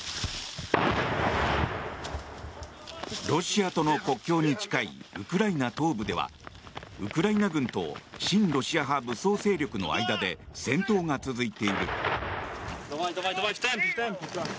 ロシアとの国境に近いウクライナ東部ではウクライナ軍と親ロシア派武装勢力の間で戦闘が続いている。